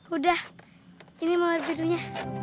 udah ini mawar birunya